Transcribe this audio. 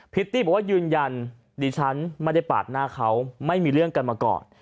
ตี้บอกว่ายืนยันดิฉันไม่ได้ปาดหน้าเขาไม่มีเรื่องกันมาก่อน